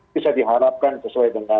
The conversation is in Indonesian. bisa diharapkan sesuai dengan